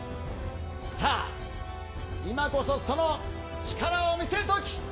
さあ、今こそその力を見せるとき。